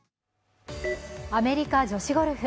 アメリカ女子ゴルフ。